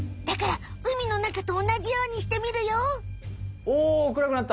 だから海のなかとおなじようにしてみるよ。